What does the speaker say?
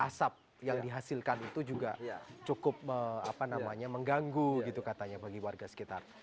asap yang dihasilkan itu juga cukup mengganggu gitu katanya bagi warga sekitar